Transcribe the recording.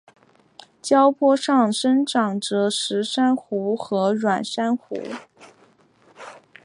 礁坡上生长着石珊瑚和软珊瑚。